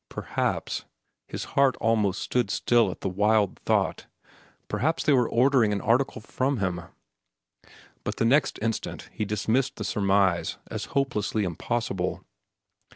Perhaps—his heart almost stood still at the—wild thought—perhaps they were ordering an article from him; but the next instant he dismissed the surmise as hopelessly impossible.